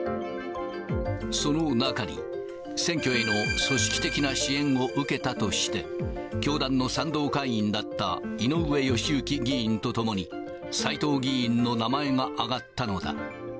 その中に、選挙への組織的な支援を受けたとして、教団の賛同会員だった井上義行議員とともに、斎藤議員の名前が挙がったのだ。